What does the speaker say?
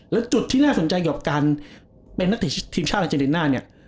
แล้วจุดที่น่าสนใจกับการเป็นนักเตะทีมชาติอาเจริน่าเนี่ย